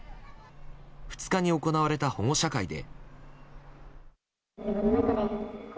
２日に行われた保護者会で。